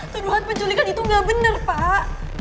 tuduhan penculikan itu gak bener pak